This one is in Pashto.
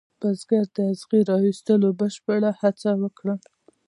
بزګر د اغزي را ویستلو بشپړه هڅه وکړه.